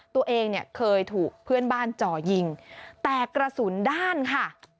ตัวเองเนี่ยเคยถูกเพื่อนบ้านจ่อยิงแต่กระสุนด้านค่ะ